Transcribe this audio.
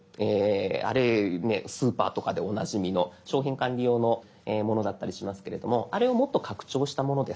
あれねスーパーとかでおなじみの商品管理用のものだったりしますけれどもあれをもっと拡張したものです。